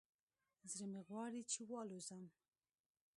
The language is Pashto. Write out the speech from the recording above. زړه مې غواړي چې والوزم